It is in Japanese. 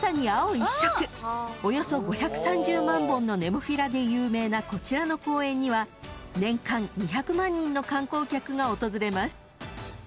［およそ５３０万本のネモフィラで有名なこちらの公園には年間２００万人の観光客が訪れます］